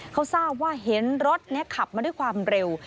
เขาทราบว่าเห็นรถนี้ขับมาด้วยความเร็ว